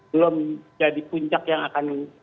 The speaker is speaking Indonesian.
belum jadi puncak yang akan